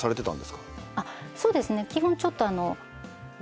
そうですね基本ちょっと。